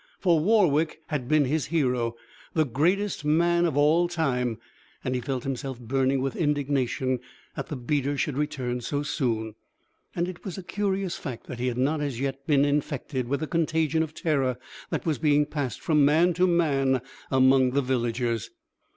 For Warwick had been his hero, the greatest man of all time, and he felt himself burning with indignation that the beaters should return so soon. And it was a curious fact that he had not as yet been infected with the contagion of terror that was being passed from man to man among the villagers.